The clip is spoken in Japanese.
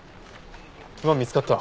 馬見つかった！？